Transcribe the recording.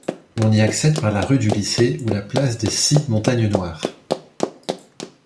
On y accède par la rue du Lycée ou la place des Six-Montagnes-Noires.